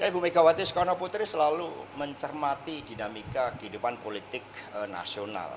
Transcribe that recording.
ibu megawati soekarno putri selalu mencermati dinamika kehidupan politik nasional